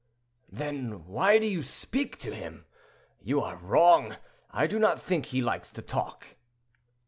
"Then why do you speak to him? You are wrong. I do not think he likes to talk."